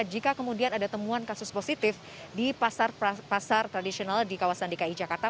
jika kemudian ada temuan kasus positif di pasar tradisional di kawasan dki jakarta